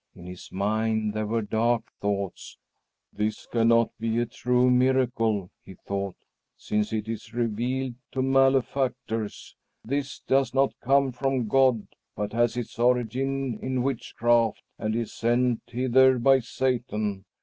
In his mind there were dark thoughts. "This cannot be a true miracle," he thought, "since it is revealed to malefactors. This does not come from God, but has its origin in witchcraft and is sent hither by Satan.